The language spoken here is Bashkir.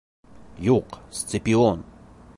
Юҡ, Сципион!